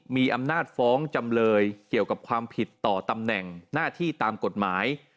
มีอำนาจฟ้องจำเลยเกี่ยวกับความผิดต่อตำแหน่งหน้าที่ตามกฎหมาย